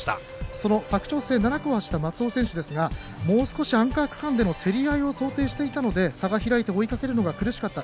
その佐久長聖、７区を走った松尾選手ですがもう少しアンカー区間での競り合いを想定していたので差が開いて追いかけるのが苦しかった。